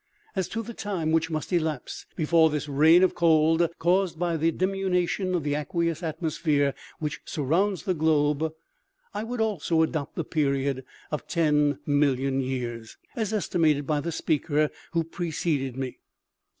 "As to the time which must elapse before this reign of cold caused by the diminution of the aqueous atmosphere which surrounds the globe, I also would adopt the period of 10,000,000 years, as estimated by the speaker who pre ceded me.